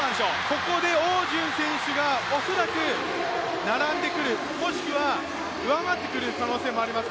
ここで汪順選手が恐らく並んでくるもしくは上回ってくる可能性もあります。